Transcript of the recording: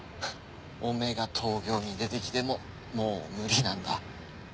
おめえが東京に出てきてももう無理なんだ。